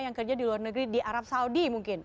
yang kerja di luar negeri di arab saudi mungkin